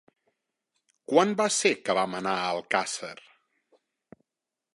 Quan va ser que vam anar a Alcàsser?